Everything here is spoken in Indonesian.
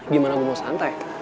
gimana gue mau santai